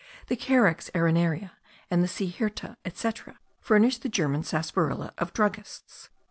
The Carex arenaria, the C. hirta, etc. furnish the German sarsaparilla of druggists.